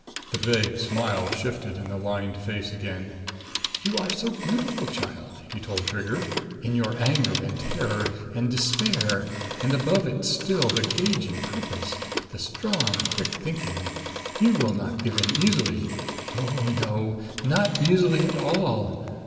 The vague smile shifted in the lined face again. "You are so beautiful, child," he told Trigger, "in your anger and terror and despair. And above it still the gauging purpose, the strong, quick thinking. You will not give in easily. Oh, no! Not easily at all.